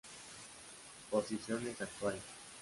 Posiciones Actuales.